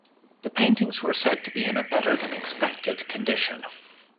The paintings were said to be in a better-than-expected condition.